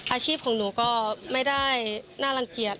อาชีพของหนูก็ไม่ได้น่ารังเกียจ